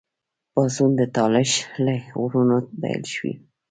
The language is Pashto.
پاڅون د طالش له غرونو پیل شو.